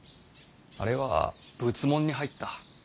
あれは仏門に入った。